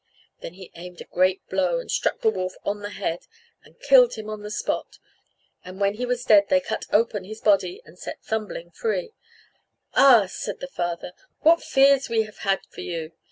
Then he aimed a great blow, and struck the wolf on the head, and killed him on the spot; and when he was dead they cut open his body and set Thumbling free. "Ah!" said the father, "what fears we have had for you!"